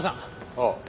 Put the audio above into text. ああ。